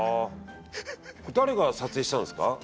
誰が撮影したんですか？